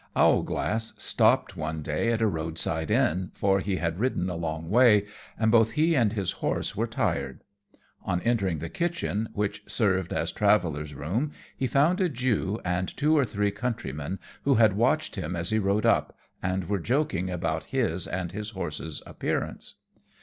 _ Owlglass stopped one day at a roadside inn, for he had ridden a long way, and both he and his horse were tired. On entering the kitchen, which served as travellers' room, he found a Jew and two or three countrymen, who had watched him as he rode up, and were joking about his and his horse's appearance.